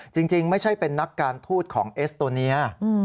จริงไม่ใช่เป็นนักการทูตของเอสโตเนีย